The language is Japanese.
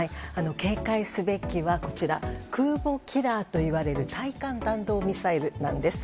警戒すべきは空母キラーといわれる対艦弾道ミサイルなんです。